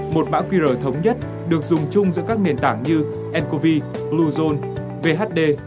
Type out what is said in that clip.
một mã qr thống nhất được dùng chung giữa các nền tảng như encovi bluezone vhd